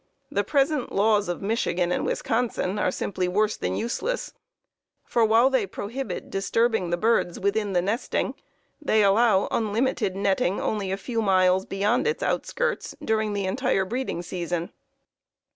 The present laws of Michigan and Wisconsin are simply worse than useless, for, while they prohibit disturbing the birds within the nesting, they allow unlimited netting only a few miles beyond its outskirts during the entire breeding season.